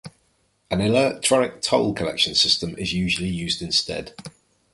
An electronic toll collection system is usually used instead.